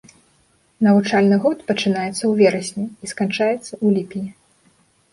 Навучальны год пачынаецца ў верасні і сканчаецца ў ліпені.